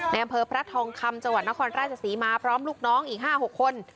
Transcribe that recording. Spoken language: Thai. แม่งเผอร์พระทองคำจังหวัดนครราชสีมาพาลูกน้องอีก๕๖คน